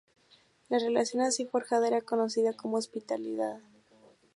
La relación así forjada era conocida como hospitalidad.